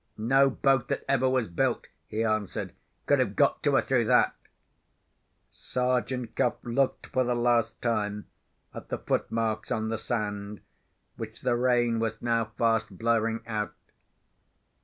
"No boat that ever was built," he answered, "could have got to her through that." Sergeant Cuff looked for the last time at the foot marks on the sand, which the rain was now fast blurring out.